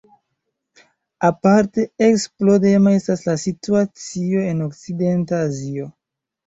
Aparte eksplodema estas la situacio en okcidenta Azio.